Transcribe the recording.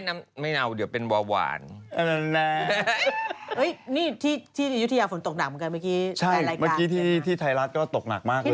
เขากำลังพูดถึงสิ่งศักดิ์สิทธิ์ของพี่